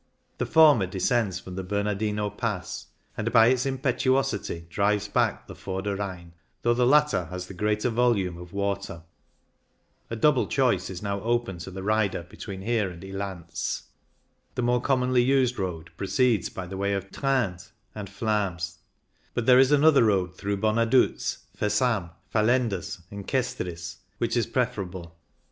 The former descends from the Bernardino Pass, and by its im petuosity drives back the Vorder Rhein, though the latter has the greater volume of water. A double choice is now open to the rider between here and Ilanz. The I04 CYCLING IN THE ALPS more commonly used road proceeds by way of Tamins, Trins, and Flims, but there is another road through Bonaduz, Versam, Valendas, and K^tris, which is preferable.